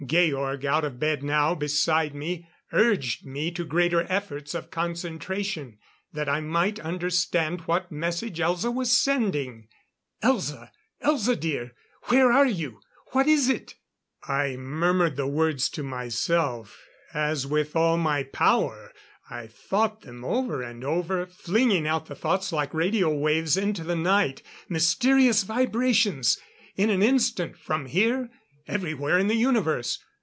Georg, out of bed now beside me, urged me to greater efforts of concentration, that I might understand what message Elza was sending. "Elza! Elza dear! Where are you? What is it?" I murmured the words to myself as with all my power, I thought them over and over, flinging out the thoughts like radio waves into the night. Mysterious vibrations! In an instant, from here everywhere in the universe.